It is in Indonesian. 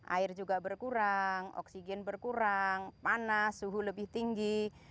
air juga berkurang oksigen berkurang panas suhu lebih tinggi